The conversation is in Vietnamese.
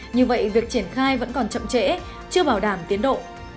như vậy việc triển khai vẫn còn chậm trễ chưa bảo đảm tiến độ